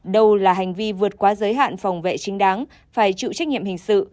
đâu là hành vi vượt quá giới hạn phòng vệ chính đáng phải chịu trách nhiệm hình sự